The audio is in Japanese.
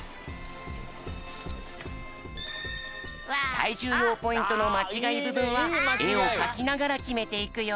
さいじゅうようポイントのまちがいぶぶんはえをかきながらきめていくよ。